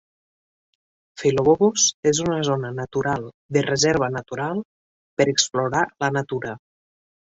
Filobobos és una zona natural de reserva natural per explorar la natura.